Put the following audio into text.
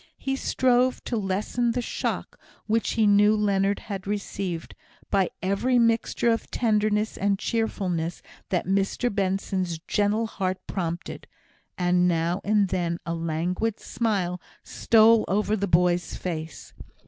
He strove to lessen the shock which he knew Leonard had received, by every mixture of tenderness and cheerfulness that Mr Benson's gentle heart prompted; and now and then a languid smile stole over the boy's face.